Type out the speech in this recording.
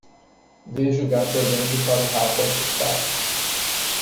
Veja o gato olhando para o rato assustado.